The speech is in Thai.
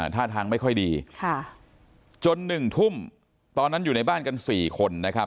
ท่าทางไม่ค่อยดีจน๑ทุ่มตอนนั้นอยู่ในบ้านกัน๔คนนะครับ